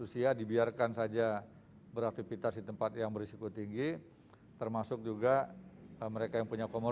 saya katakan itu tidak